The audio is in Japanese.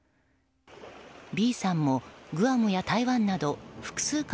Ｂさんもグアムや台湾など複数回